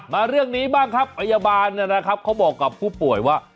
มาเรื่องนี้บ้างครับพยาบาลนะครับเขาบอกกับผู้ป่วยว่า